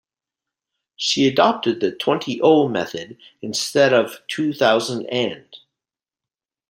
She adopted the 'twenty-oh' method instead of 'two-thousand-and'.